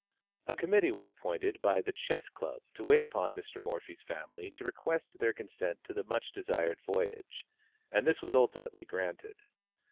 A committee was appointed by the Chess Club to wait upon Mr. Morphy's family to request their consent to the much desired voyage, and this was ultimately granted.